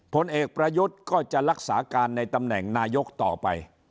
ผลเอกประยุทธ์ก็จะรักษาการในตำแหน่งนายกต่อไป